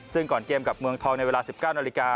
ซึ่งก่อนเกมกับเมืองทองในเวลา๑๙นาฬิกา